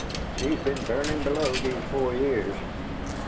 She's been burnin' below these four years!